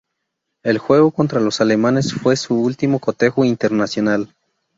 El juego contra los alemanes fue su último cotejo internacional.